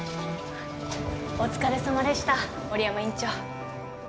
お疲れさまでした森山院長。